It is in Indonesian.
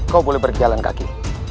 kau boleh berjalan kaki